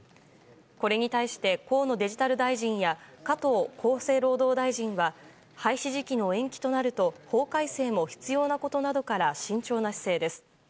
これに対して河野デジタル大臣や加藤厚生労働大臣は廃止時期の延期となると法改正も必要なことなどから慎重な姿勢です。